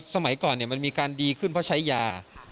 สมัยก่อนมันมีการดีขึ้นเพราะใช้ยา